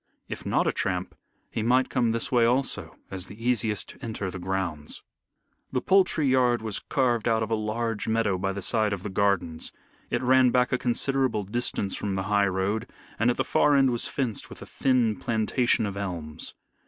If not a tramp he might come this way also as the easiest to enter the grounds. The poultry yard was carved out of a large meadow by the side of the gardens. It ran back a considerable distance from the high road, and at the far end was fenced with a thin plantation of elms.